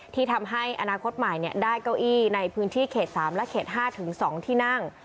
ที่ทำให้อนาคตใหม่ได้เก้าอี้ในพื้นที่เขต๓และเขต๕๒ที่นั่ง